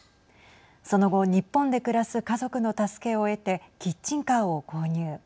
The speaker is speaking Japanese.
その後日本で暮らす家族の助けを得てキッチンカーを購入。